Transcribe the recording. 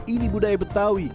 ini budaya betawang